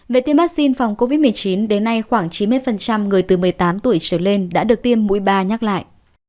về tiêm vaccine phòng covid một mươi chín đến nay khoảng chín mươi người từ một mươi tám tuổi trở lên đã được tiêm mũi ba nhắc lại